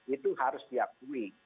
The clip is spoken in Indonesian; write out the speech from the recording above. itu harus diakui